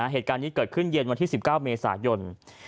เหตุการณ์นี้เกิดขึ้นเย็นวันที่๑๙เมษายน